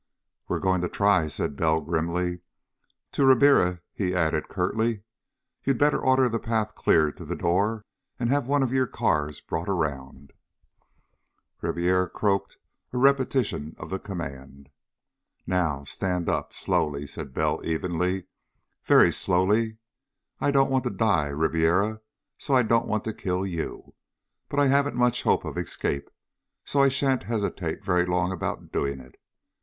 "We're going to try," said Bell grimly. To Ribiera he added curtly, "You'd better order the path cleared to the door, and have one of your cars brought around." Ribiera croaked a repetition of the command. "Now stand up slowly," said Bell evenly. "Very slowly. I don't want to die, Ribiera, so I don't want to kill you. But I haven't much hope of escape, so I shan't hesitate very long about doing it.